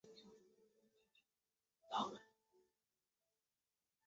酋长院是来自整个库克群岛所有至高酋长的组成。